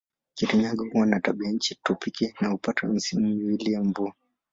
Kirinyaga huwa na tabianchi tropiki na hupata misimu miwili ya mvua.